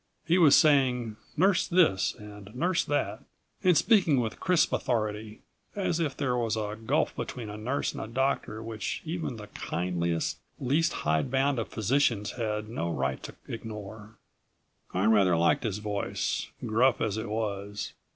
He was saying "Nurse this," and "Nurse that" and speaking with crisp authority, as if there was a gulf between a nurse and a doctor which even the kindliest, least hidebound of physicians had no right to ignore. I rather liked his voice, gruff as it was.